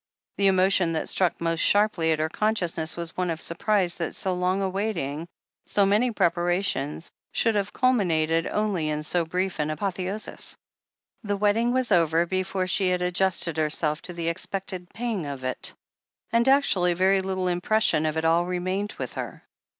The emotion that struck most sharply at her consciousness was one of surprise that so long a waiting, so many prepara tions, should have culminated only in so brief an apotheosis. The wedding was over before she had adjusted her self to the expected pang of it, and actually very little impression of it all remained with her.